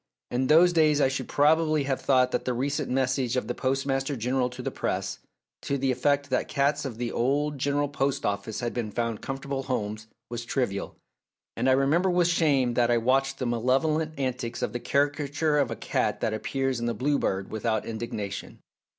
In those days I should probably have thought that the recent message of the Postmaster General to the Press, to the effect that cats of the old General Post Office had been found comfortable homes, was trivial. And I re member with shame that I watched the malevolent antics of the caricature of a cat that appears in the " Blue Bird " without indignation.